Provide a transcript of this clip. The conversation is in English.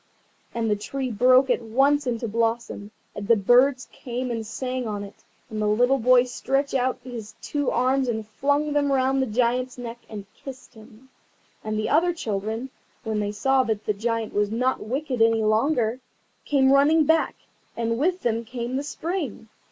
And the tree broke at once into blossom, and the birds came and sang on it, and the little boy stretched out his two arms and flung them round the Giant's neck, and kissed him. And the other children, when they saw that the Giant was not wicked any longer, came running back, and with them came the Spring.